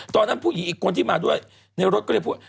ตอนนั้นผู้หญิงอีกคนที่มาด้วยในรถก็เลยพูด